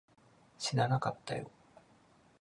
知らなかったよ